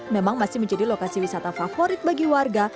memang masih menjadi lokasi wisata favorit bagi warga